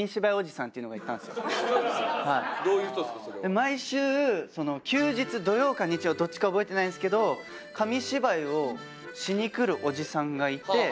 毎週休日土曜か日曜どっちか覚えてないんですけど紙芝居をしに来るおじさんがいて。